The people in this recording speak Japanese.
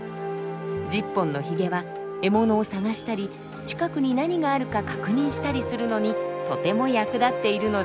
１０本のヒゲは獲物を探したり近くに何があるか確認したりするのにとても役立っているのです。